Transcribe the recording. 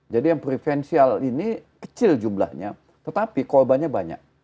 jadi yang preferensial ini kecil jumlahnya tetapi korbannya banyak